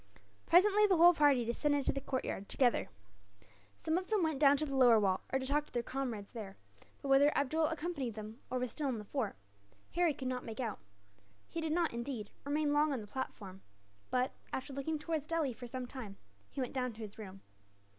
Presently the whole party descended to the courtyard, together. Some of them went down to the lower wall, to talk to their comrades there; but whether Abdool accompanied them, or was still in the fort, Harry could not make out. He did not, indeed, remain long on the platform but, after looking towards Delhi for some little time, he went down to his room.